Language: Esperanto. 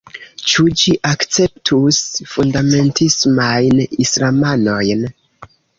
Ĉu ĝi akceptus fundamentismajn islamanojn?